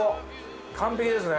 完璧ですね。